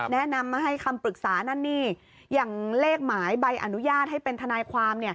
แนะนำมาให้คำปรึกษานั่นนี่อย่างเลขหมายใบอนุญาตให้เป็นทนายความ